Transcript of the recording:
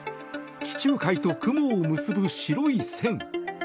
地中海と雲を結ぶ白い線。